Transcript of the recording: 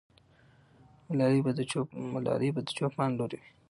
ملالۍ به د چوپان لور وي.